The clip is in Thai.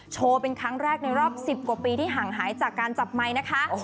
โชว์เป็นครั้งแรกในรอบ๑๐กว่าปีที่ห่างหายจากการจับไมค์นะคะ